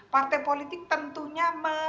partai politik tentunya